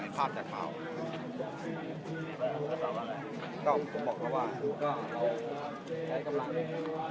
มีผู้ที่ได้รับบาดเจ็บและถูกนำตัวส่งโรงพยาบาลเป็นผู้หญิงวัยกลางคน